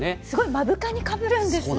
目深にかぶるんですね。